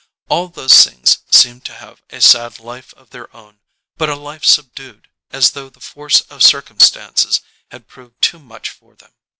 All those things seemed to have a sad life of their own, but a life subdued, as though the force of circumstances had proved too much for them.